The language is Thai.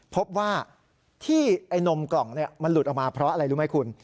พบว่าที่ไอ้นมกล่องมันหลุดออกมาเพราะอะไรรู้ไหมคุณ